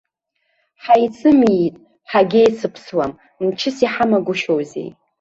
Ҳаицымиит, ҳагьеицыԥсуам, мчыс иҳамагәышьоузеи.